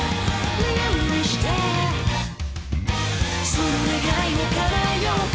「その願いを叶えようか」